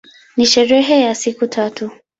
Ni sherehe ya siku tatu.